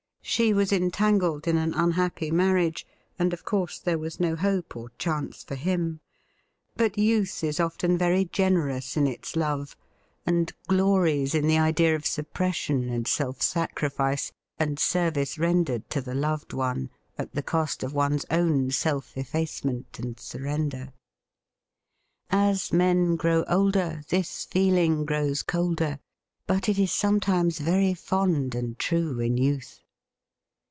She was entangled in an unhappy marriage, and of course there was no hope or chance for him. But youth is often very generous in its love, and glories in the idea of suppression and self sacrifice and service rendered to the loved one at the cosi; of one's own self effacement and surrender. As THE SWEET SORROW OF PARTING 119 men grow older this feeling grows colder, but it is some times very fond and true in youth.